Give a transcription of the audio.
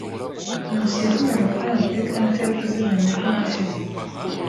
Nkusi yashyize amafaranga kuri konte yo kuzigama ejo hashize.